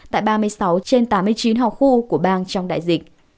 tại ba mươi sáu trên tám mươi chín hào khu của bang trong đại dịch